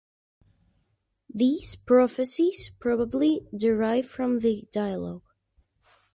These prophecies probably derive from the "Dialog".